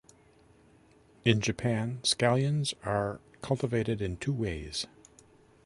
In Japan, scallions are cultivated in two ways.